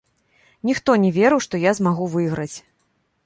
Ніхто не верыў, што я змагу выйграць.